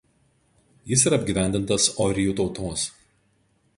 Jis yra apgyvendintas orijų tautos.